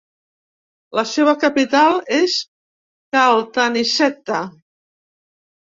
La seva capital és Caltanissetta.